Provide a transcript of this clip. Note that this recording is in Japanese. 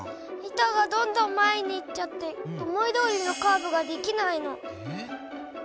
板がどんどん前に行っちゃって思いどおりのカーブができないの。